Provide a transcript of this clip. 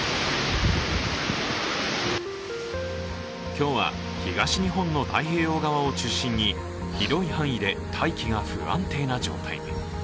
今日は東日本の太平洋側を中心に広い範囲で大気が不安定な状態に。